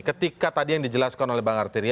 ketika tadi yang dijelaskan oleh bang artiri